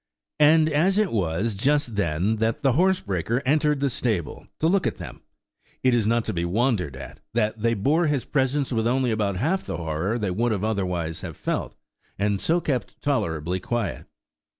And as it was just then that the horsebreaker entered the stable to look at them, it is not to be wondered at that they bore his presence with only about half the horror they would otherwise have felt, and so kept tolerably quiet.